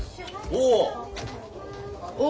おお！